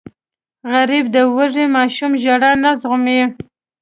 غریب د وږې ماشوم ژړا نه زغمي